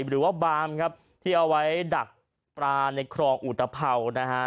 หรือว่าบามครับที่เอาไว้ดักปลาในครองอุตภัวนะฮะ